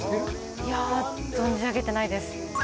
いやぁ存じ上げてないです。